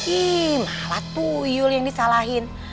ih malah tuyul yang disalahin